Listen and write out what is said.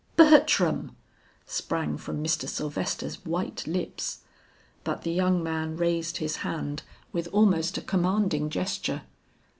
"Bertram!" sprang from Mr. Sylvester's white lips. But the young man raised his hand with almost a commanding gesture.